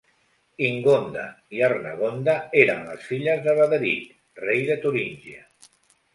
Ingonda i Arnegonda eren les filles de Baderic, rei de Turíngia.